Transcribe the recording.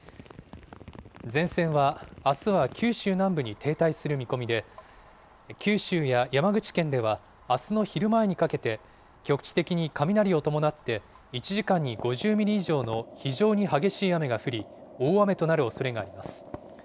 前線はあすは九州南部に停滞する見込みで、九州や山口県では、あすの昼前にかけて、局地的に雷を伴って、１時間に５０ミリ以上の非常に激しい雨が降り、大雨となるおそれがあります。